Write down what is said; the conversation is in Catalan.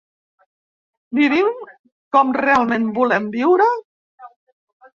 Vivim com realment volem viure?